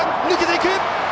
抜けていく！